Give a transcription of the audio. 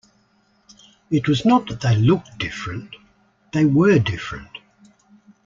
It was not that they looked different; they were different.